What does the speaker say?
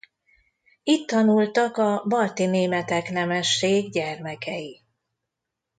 Itt tanultak a balti-németek nemesség gyermekei.